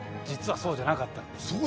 実はそうじゃなかったんです。